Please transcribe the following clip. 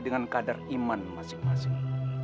dengan kadar iman masing masing